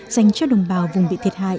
dành cho đồng bào vùng bị thiệt hại